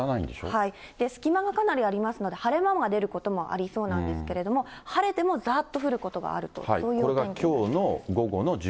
隙間がかなりありますので、晴れ間が出ることもありそうなんですけれども、晴れてもざーっと降ることがあると、そういう天気です。